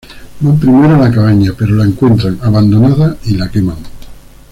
Van primero a la cabaña pero la encuentran abandonada y la queman.